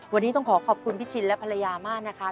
วันนี้ต้องขอขอบคุณพี่ชินและภรรยามากนะครับ